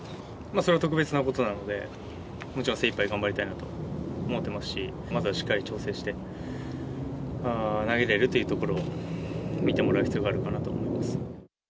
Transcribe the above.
それは特別なことなので、もちろん精いっぱい頑張りたいなと思ってますし、まずはしっかり調整して、投げられるというところを見てもらう必要があるかなと思います。